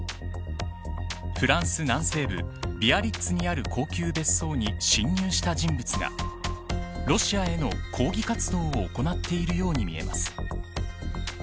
フランス南西部ビアリッツにある高級別荘に侵入した人物がロシアへの抗議活動を行っているように見えます。